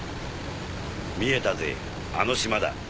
見えたぜあの島だ。